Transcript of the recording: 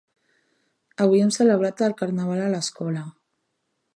Avui hem celebrat el Carnaval a l'escola.